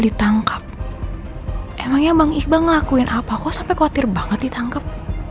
ditangkap emangnya bang iqbal ngelakuin apa kok sampai khawatir banget ditangkap